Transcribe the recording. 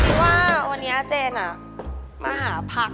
ว่าวันนี้เจนมาหาพัก